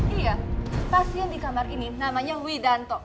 iya pasien di kamar ini namanya widanto